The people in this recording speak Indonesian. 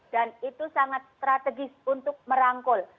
dan itu sangat strategis untuk merangkul